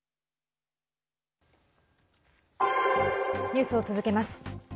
ニュースを続けます。